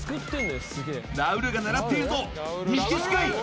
ラウールが狙っているぞ２匹すくい！